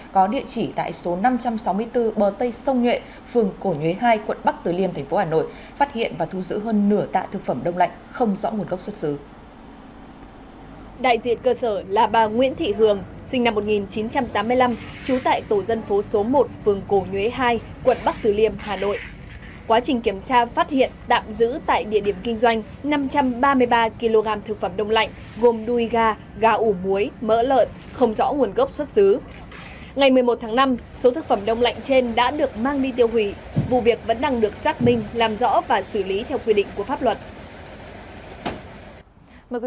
có địa chỉ tại số năm trăm sáu mươi bốn bờ tây sông nhuệ phường cổ nhuế hai quận bắc từ liêm tp hà nội